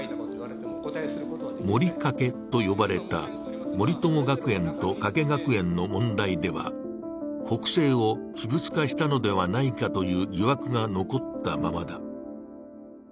モリカケと呼ばれた森友学園と加計学園の問題では国政を私物化したのではないかという疑惑が残ったままだ。